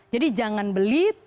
jadi jangan beli